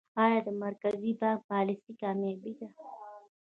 آیا د مرکزي بانک پالیسي کامیابه ده؟